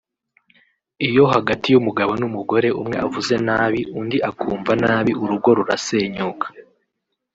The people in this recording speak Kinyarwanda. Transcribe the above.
Iyo hagati y’umugabo n’ umugore umwe avuze nabi undi akumva nabi urugo rurasenyuka